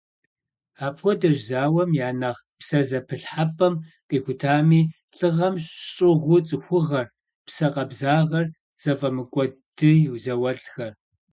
Апхуэдэщ зауэм я нэхъ псэзэпылъхьэпӏэм къихутами, лӏыгъэм щӏыгъуу цӏыхугъэр, псэ къабзагъэр зыфӏэмыкӏуэд ди зауэлӏыр.